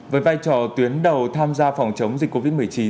với vai trò tuyến đầu tham gia phòng chống dịch covid một mươi chín